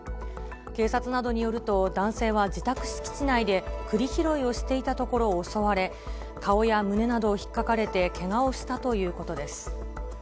警察などによると、男性は自宅敷地内でくり拾いをしていたところ襲われ、顔や胸などをひっかかれてけがをしたということです。